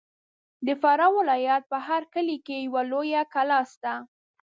د فراه ولایت په هر کلي کې یوه لویه کلا سته.